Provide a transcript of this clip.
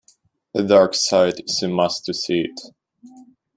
A dark site is a must to see it.